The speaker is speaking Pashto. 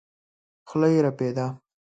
خوله يې رپېده.